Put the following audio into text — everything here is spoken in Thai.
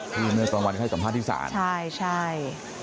ประมาณเมื่อสมภาษณ์ที่สารใช่